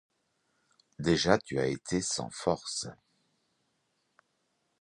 Déjà tu as été sans force.